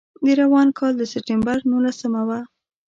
د روان کال د سپټمبر نولسمه وه.